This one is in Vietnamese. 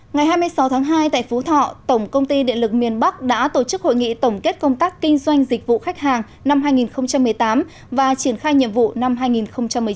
ngày hai mươi sáu tháng hai tại phú thọ tổng công ty điện lực miền bắc đã tổ chức hội nghị tổng kết công tác kinh doanh dịch vụ khách hàng năm hai nghìn một mươi tám và triển khai nhiệm vụ năm hai nghìn một mươi chín